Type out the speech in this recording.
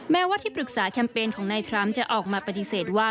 แม้ว่าที่ปรึกษาแคมเปญของนายทรัมป์จะออกมาปฏิเสธว่า